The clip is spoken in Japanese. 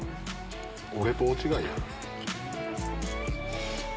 俺と大違いやな。